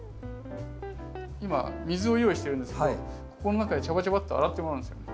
今水を用意してるんですけどここの中でジャバジャバッと洗ってもらうんですよ。